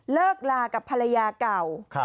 เลิกลากับภรรยาเก่า